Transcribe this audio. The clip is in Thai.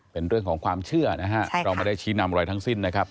เป็นเรื่องของความเชื่อนะฮะเราไม่ได้ชี้นำอะไรทั้งสิ้นนะครับ